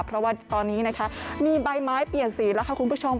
เพราะว่าตอนนี้นะคะมีใบไม้เปลี่ยนสีแล้วค่ะคุณผู้ชม